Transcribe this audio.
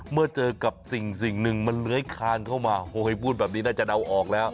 เมื่อเจอกับสิ่งหนึ่งมันเลื้อยคานเข้ามาโฮเคยพูดแบบนี้น่าจะเดาออกแล้ว